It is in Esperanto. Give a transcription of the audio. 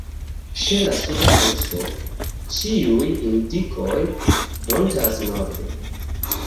Ĉe la suda poluso ĉiuj indikoj frontas norde.